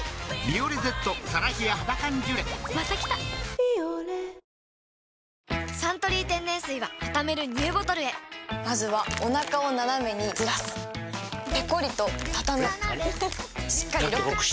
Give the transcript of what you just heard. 「ビオレ」「サントリー天然水」はたためるＮＥＷボトルへまずはおなかをナナメにずらすペコリ！とたたむしっかりロック！